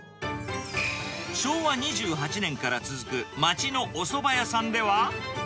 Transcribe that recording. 昭和２８年から続く町のおそば屋さんでは。